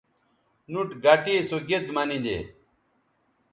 نُوٹ گٹے سو گید منیدے